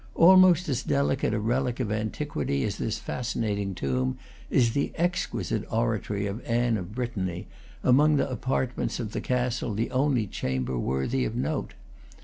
Almost as delicate a relic of antiquity as this fascinating tomb is the exquisite oratory of Anne of Brittany, among the apartments of the castle the only chamber worthy of note.